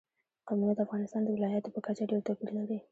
قومونه د افغانستان د ولایاتو په کچه ډېر توپیر لري.